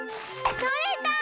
とれた！